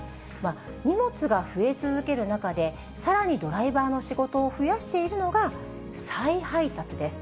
荷物が増え続ける中で、さらにドライバーの仕事を増やしているのが、再配達です。